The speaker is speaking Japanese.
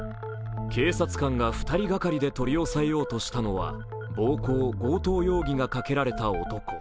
警察官が２人がかりで取り押さえようとしたのは暴行・強盗容疑がかけられた男。